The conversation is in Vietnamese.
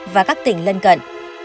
và các tỉnh lân cận